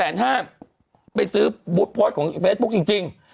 ๒๕๐๐บาทไปซื้อบู๊ดโพสต์ของเฟซบุ๊กจริง